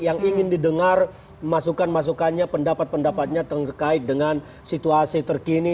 yang ingin didengar masukan masukannya pendapat pendapatnya terkait dengan situasi terkini